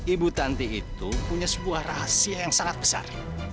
ibu tanti itu punya sebuah rahasia yang sangat besar